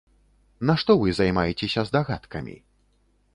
Нашто вы займаецеся здагадкамі?